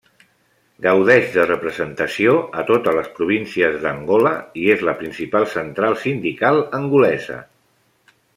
Gaudeix de representació a totes les províncies d'Angola i és la principal central sindical angolesa.